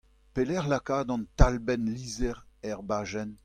Pelecʼh lakaat an talbenn lizher er bajenn ?